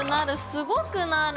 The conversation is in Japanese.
すごくなる。